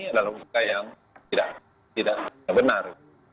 adalah logika yang tidak benar